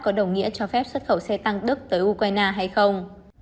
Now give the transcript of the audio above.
có đồng nghĩa cho phép xuất khẩu xe tăng đức tới ukraine hay không